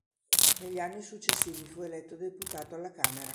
Negli anni successivi fu eletto Deputato alla Camera.